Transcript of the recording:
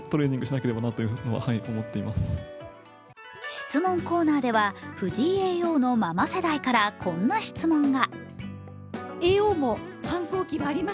質問コーナーでは藤井叡王のママ世代からこんな質問が。